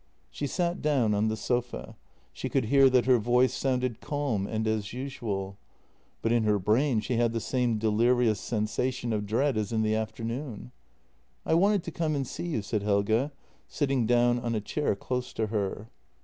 She sat down on the sofa. She could hear that her voice sounded calm and as usual. But in her brain she had the same delirious sensation of dread as in the afternoon. " I wanted to come and see you," said Helge, sitting down on a chair close to her.